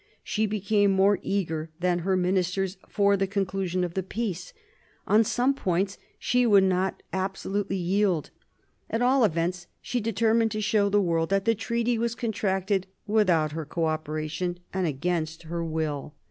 She became more eager than her ministers for the conclusion of peace. On some points she would not absolutely yield. At all events she determined to show the world that the treaty was contracted without her co operation and against her will.